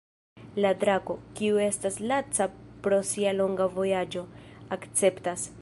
La drako, kiu estas laca pro sia longa vojaĝo, akceptas.